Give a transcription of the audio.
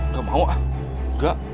gak mau ah enggak